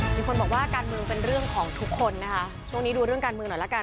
มีคนบอกว่าการเมืองเป็นเรื่องของทุกคนนะคะช่วงนี้ดูเรื่องการเมืองหน่อยละกัน